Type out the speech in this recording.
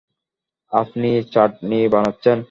আপনি চাটনি বানাচ্ছেন?